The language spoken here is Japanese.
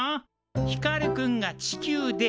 ひかるくんが地球で。